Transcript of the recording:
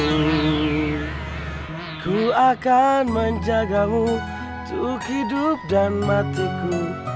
aku akan menjagamu untuk hidup dan matiku